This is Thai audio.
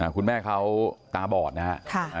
คุณแม่เขาตาบอดนะครับ